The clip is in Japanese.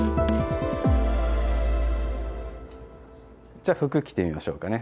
じゃあ服着てみましょうかね。